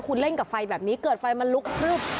คุณเล่นกับไฟแบบนี้เกิดไฟมันลุกพลึบ